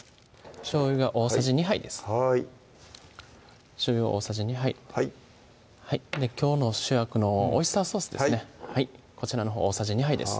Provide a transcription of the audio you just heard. しょうゆが大さじ２杯ですはいしょうゆを大さじ２杯はいきょうの主役のオイスターソースですねこちらのほう大さじ２杯です